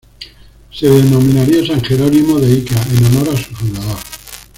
Se denominaría San Jerónimo de Ica en honor a su fundador.